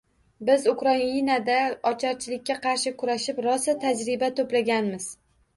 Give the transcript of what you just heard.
Biz Ukrainada ocharchilikka qarshi kurashib, rosa tajriba to‘plaganmiz.